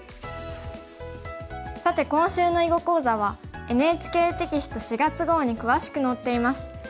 さて今週の囲碁講座はＮＨＫテキスト４月号に詳しく載っています。